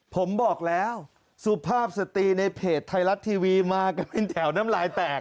ผมบอกแล้วสุภาพสตรีในเพจไทยรัฐทีวีมากันเป็นแถวน้ำลายแตก